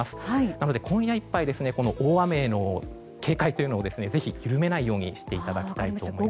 なので今夜いっぱい大雨への警戒というのをぜひ緩めないようにしていただきたいと思います。